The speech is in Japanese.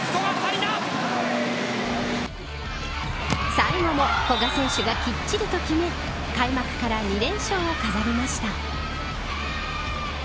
最後も古賀選手がきっちりと決め開幕から２連勝を飾りました。